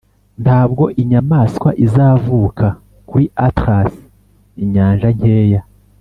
ntabwo inyamaswa izavuka kuri atlas inyanja nkeya